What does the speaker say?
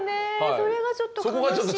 それがちょっと悲しい。